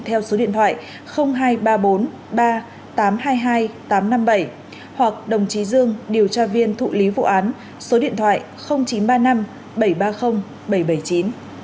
theo số điện thoại hai trăm ba mươi bốn ba trăm hai mươi hai tám trăm năm mươi bảy hoặc đồng chí dương điều tra viên thụ lý vụ án số điện thoại chín trăm ba mươi năm bảy trăm ba mươi bảy trăm bảy mươi chín